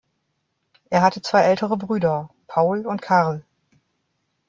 Er hatte zwei ältere Brüder Paul und Karl.